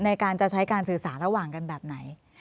ในการจะใช้การสื่อสารระหว่างกันแบบไหน